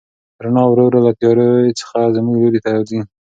رڼا ورو ورو له تیارې څخه زموږ لوري ته راځي.